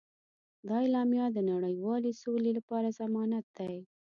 دا اعلامیه د نړیوالې سولې لپاره ضمانت دی.